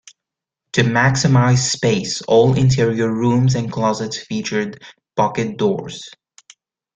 To maximize space, all interior rooms and closets featured pocket doors.